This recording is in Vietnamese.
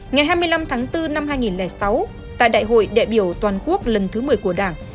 ngày hai mươi năm tháng bốn năm hai nghìn sáu tại đại hội đại biểu toàn quốc lần thứ một mươi của đảng